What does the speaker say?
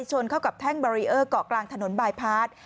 ชนเข้ากับแท่งบารีเออร์เกาะกลางถนนบายพาร์ท